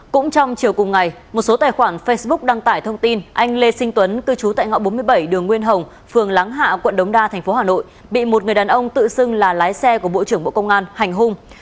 cũng trong chiều cùng ngày một số tài khoản facebook đăng tải thông tin anh lê sinh tuấn cư trú tại ngõ bốn mươi bảy đường nguyên hồng phường láng hạ quận đống đa tp hà nội bị một người đàn ông tự xưng là lái xe của bộ trưởng bộ công an hành hung